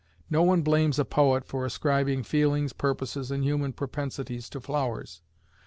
No one blames a poet for ascribing feelings, purposes, and human propensities to flowers.